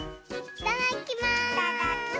いただきます！